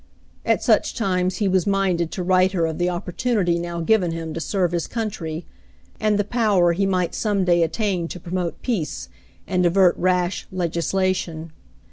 At such times he was minded to write her of the opportunity now given him to serve his country, and the power he might some day attain to pro mote peace and avert rash legislation.